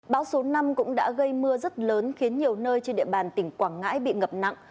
bão số năm cũng đã gây mưa rất lớn khiến nhiều nơi trên địa bàn tỉnh quảng ngãi bị ngập nặng